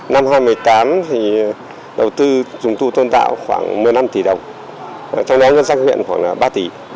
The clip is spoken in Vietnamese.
năm hai nghìn một mươi tám thì đầu tư trùng tu tôn tạo khoảng một mươi năm tỷ đồng trong đó ngân sách huyện khoảng ba tỷ